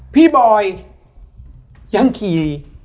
พี่บอยย่ำกี่